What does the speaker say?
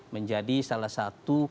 menjadi salah satu kekuasaan